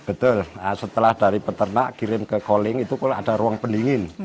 betul setelah dari peternak kirim ke calling itu kalau ada ruang pendingin